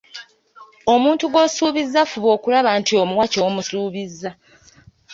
Omuntu gw’osuubiza fuba okulaba nti omuwa ky'omusuubizza.